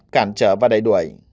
cản trở và đẩy đuổi